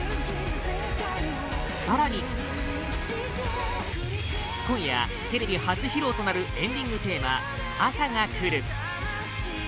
更に今夜テレビ初披露となるエンディングテーマ「朝が来る」